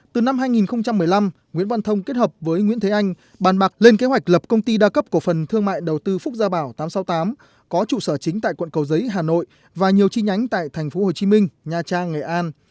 từ năm hai nghìn một mươi năm nguyễn văn thông kết hợp với nguyễn thế anh bàn bạc lên kế hoạch lập công ty đa cấp cổ phần thương mại đầu tư phúc gia bảo tám trăm sáu mươi tám có trụ sở chính tại quận cầu giấy hà nội và nhiều chi nhánh tại tp hcm nha trang nghệ an